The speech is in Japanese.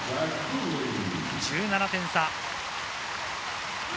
１７点差。